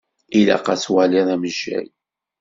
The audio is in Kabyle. Ilaq ad twaliḍ amejjay.